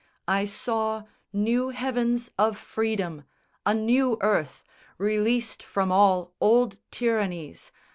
I saw new heavens of freedom, a new earth Released from all old tyrannies.